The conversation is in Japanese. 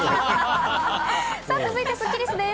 続いてスッキりす。